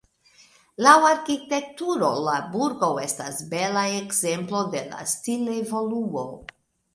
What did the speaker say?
Laŭ arkitekturo la burgo estas bela ekzemplo de la stil-evoluo.